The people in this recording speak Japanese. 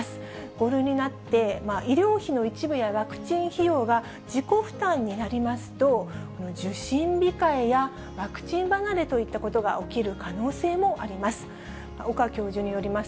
５類になって、医療費の一部やワクチン費用が自己負担になりますと、受診控えやワクチン離れといったことが起きる可能性もあります。